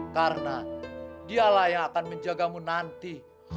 karena dialah yang akan menjagamu nanti